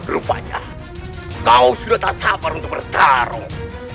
rupanya kau sudah tak sabar untuk bertarung